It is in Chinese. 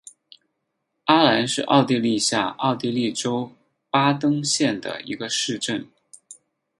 阿兰是奥地利下奥地利州巴登县的一个市镇。